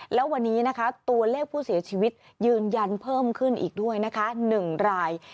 แล้ววันนี้นะคะตัวเลขผู้เสียชีวิตยืนยันเพิ่มขึ้นอีกด้วยนะคะ๑ราย